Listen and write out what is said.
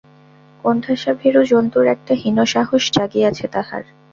কোণঠাসা ভীরু জন্তুর একটা হীন সাহস জাগিয়াছে তাহার।